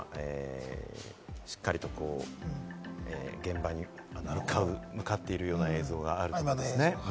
しっかりと現場に向かっているような映像がありましたよね。